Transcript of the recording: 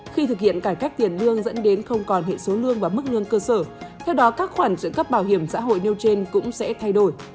khi thực hiện cải cách tiền lương dẫn đến không còn hệ số lương và mức lương cơ sở theo đó các khoản trợ cấp bảo hiểm xã hội nêu trên cũng sẽ thay đổi